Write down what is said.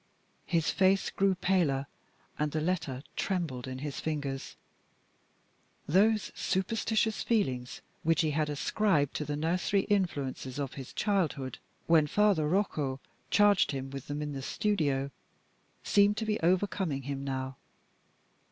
His face grew paler, and the letter trembled in his fingers. Those superstitious feelings which he had ascribed to the nursery influences of his childhood, when Father Rocco charged him with them in the studio, seemed to be overcoming him now.